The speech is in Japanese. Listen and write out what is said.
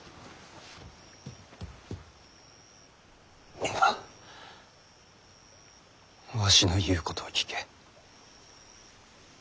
皆わしの言うことを聞け。